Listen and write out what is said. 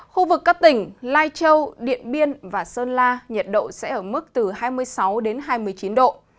khu vực các tỉnh lai châu điện biên và sơn la nhiệt độ sẽ ở mức từ hai mươi sáu đến hai mươi chín độ